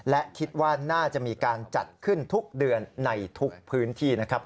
และคิดว่าน่าจะมีการจัดขึ้นทุกเดือนในทุกพื้นที่นะครับ